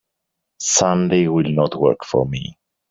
Sunday will not work for me.